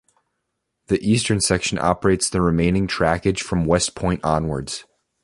The eastern section operates the remaining trackage from West Point onwards.